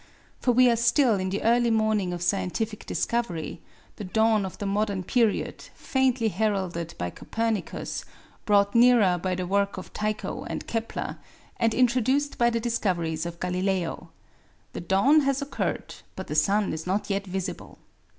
For we are still in the early morning of scientific discovery: the dawn of the modern period, faintly heralded by Copernicus, brought nearer by the work of Tycho and Kepler, and introduced by the discoveries of Galileo the dawn has occurred, but the sun is not yet visible.